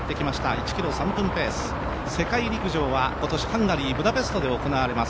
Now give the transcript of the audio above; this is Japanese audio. １ｋｍ３分ペース、世界陸上は今年ハンガリーブダペストで行われます。